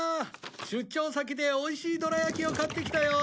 出張先でおいしいどら焼きを買ってきたよ。